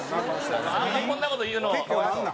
あんまこんな事言うの。